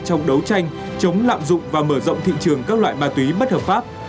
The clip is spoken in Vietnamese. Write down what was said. trong đấu tranh chống lạm dụng và mở rộng thị trường các loại ma túy bất hợp pháp